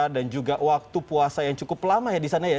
dan juga waktu puasa yang cukup lama ya di sana ya